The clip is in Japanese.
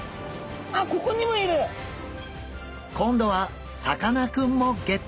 今度はさかなクンもゲット！